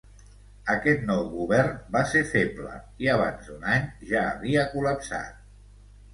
Aquest nou govern va ser feble, i abans d'un any ja havia col·lapsat.